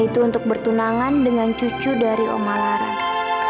yaitu untuk bertunangan dengan cucu dari om alaras